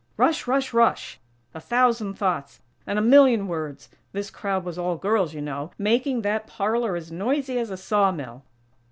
Rush! rush! rush! A thousand thoughts and a million words, (this crowd was all girls, you know!) making that parlor as noisy as a saw mill!